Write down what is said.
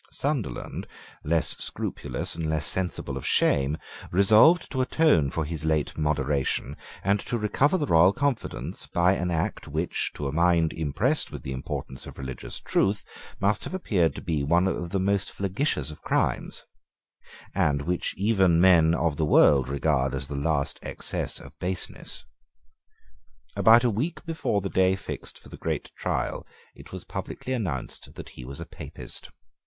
Sunderland, less scrupulous and less sensible of shame, resolved to atone for his late moderation, and to recover the royal confidence, by an act which, to a mind impressed with the importance of religious truth, must have appeared to be one of the most flagitious of crimes, and which even men of the world regard as the last excess of baseness. About a week before the day fixed for the great trial, it was publicly announced that he was a Papist.